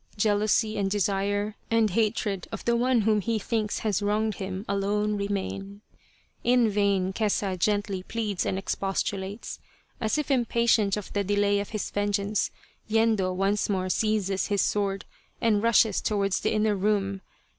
Jealousy and desire, and hatred of the one whom he thinks has wronged him, alone remain. In vain Kesa gently pleads and expostulates. As if impatient of the delay of his vengeance, Yendo once more seizes his sword and rushes towards the inner room.